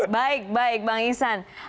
baik baik bang isan